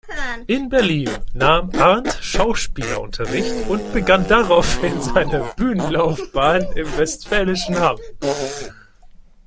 In Berlin nahm Arndt Schauspielunterricht und begann daraufhin seine Bühnenlaufbahn im westfälischen Hamm.